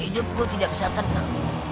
hidupku tidak bisa terkenal